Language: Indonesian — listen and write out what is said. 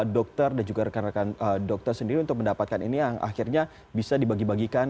dokter dan juga rekan rekan dokter sendiri untuk mendapatkan ini yang akhirnya bisa dibagi bagikan